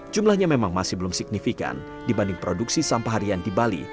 jumlahnya memang masih belum signifikan dibanding produksi sampah harian di bali